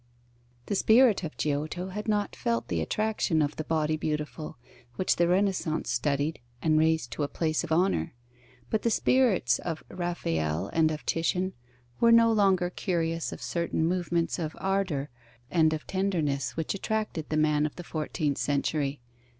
The spirit of Giotto had not felt the attraction of the body beautiful, which the Renaissance studied and raised to a place of honour; but the spirits of Raphael and of Titian were no longer curious of certain movements of ardour and of tenderness, which attracted the man of the fourteenth century.